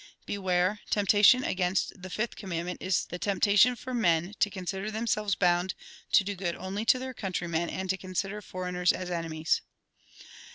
Beware. Temptation against the fifth com mandment is the temptation for men to consider themselves bound to do good only to their country men, and to consider foreigners as enemies.